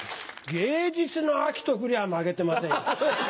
「芸術の秋」と来りゃあ負けてませんよ。